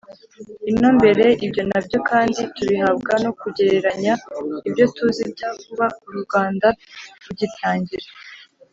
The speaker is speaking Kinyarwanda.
ino mbere; ibyo nabyo kandi, tubihabwa no kugereranya ibyo tuzi bya vuba. uru rwanda rugitangira